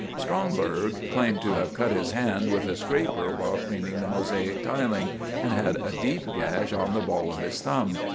Stromberg claimed to have cut his hand with a scraper while cleaning the mosaic tiling, and had a deep gash on the ball of his thumb.